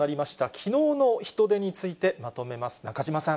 きのうの人出についてまとめます。